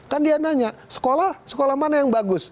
kan dia nanya sekolah sekolah mana yang bagus